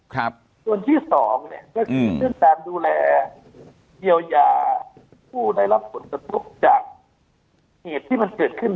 ส่วนที่สองเนี่ยก็คือเรื่องการดูแลเยียวยาผู้ได้รับผลกระทบจากเหตุที่มันเกิดขึ้น